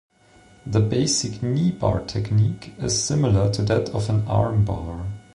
The basic kneebar technique is similar to that of an armbar.